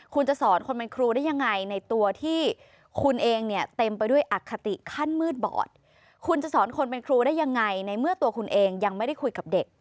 คุณจะสอนคนเป็นครูได้ยังไงในตัวที่คุณเองเนี่ยเต็มไปด้วยอคติขั้นมืดบอดคุณจะสอนคนเป็นครูได้ยังไงในเมื่อตัวคุณเองยังไม่ได้คุยกับเด็ก